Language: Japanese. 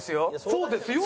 「そうですよ」って。